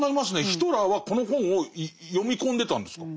ヒトラーはこの本を読み込んでたんですか？